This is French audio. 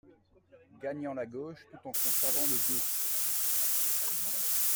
Gagnant la gauche, tout en conservant le deux.